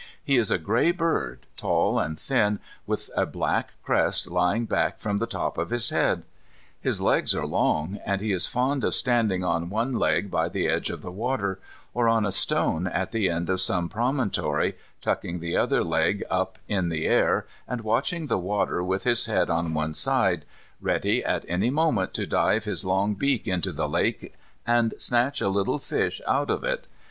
He is a grey bird, tall and thin, with a black crest lying back from the top of his head. His legs are long, and he is fond of standing on one leg by the edge of the water, or on a stone at the end of some little promontory, tucking the other leg up in the air, and watching the water with his head on one side, ready at any moment to dive his long beak into the lake and snatch a little fish out of it.